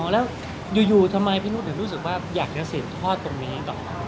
แล้วอยุ่ทำไมพี่นุสได้รู้สึกว่าอยากจะเสร็จทอดตรงนี้ก่อน